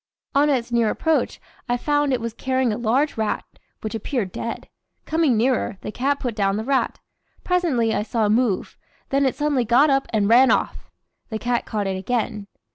On its near approach I found it was carrying a large rat, which appeared dead. Coming nearer, the cat put down the rat. Presently I saw it move, then it suddenly got up and ran off. The cat caught it again.